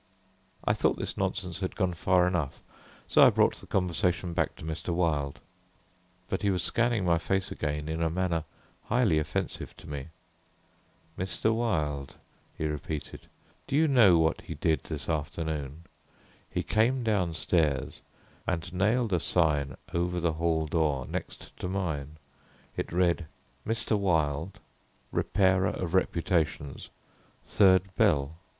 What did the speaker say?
I thought this nonsense had gone far enough, so I brought the conversation back to Mr. Wilde; but he was scanning my face again in a manner highly offensive to me. "Mr. Wilde," he repeated, "do you know what he did this afternoon? He came downstairs and nailed a sign over the hall door next to mine; it read: "MR. WILDE, REPAIRER OF REPUTATIONS. Third Bell.